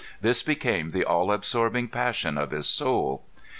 This became the all absorbing passion of his soul.